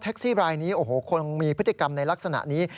ซี่รายนี้โอ้โหคนมีพฤติกรรมในลักษณะนี้